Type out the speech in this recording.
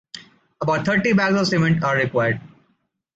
About thirty bags of cement are required.